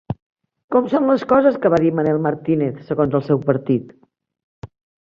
Com són les coses que va dir Manel Martínez segons el seu partit?